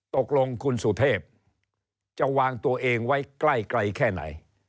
ตกลงคุณสุเทพจะวางตัวเองไว้ใกล้แค่ไหน